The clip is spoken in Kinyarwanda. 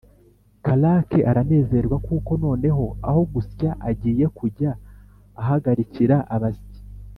karake aranezerwa kuko noneho aho gusya agiye kujya ahagarikira abasyi.